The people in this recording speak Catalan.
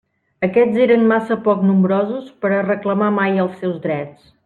Aquests eren massa poc nombrosos per a reclamar mai els seus drets.